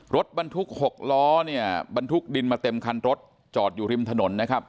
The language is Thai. รถบรรทุก๖ล้อเนี่ยบรรทุกดินมาเต็มคันรถจอดอยู่ริมถนนนะครับ